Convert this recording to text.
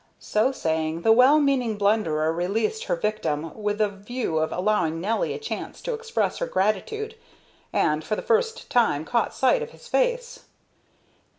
So saying, the well meaning blunderer released her victim, with the view of allowing Nelly a chance to express her gratitude, and, for the first time, caught sight of his face.